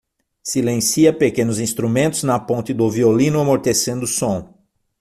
Silencia pequenos instrumentos na ponte do violino, amortecendo o som.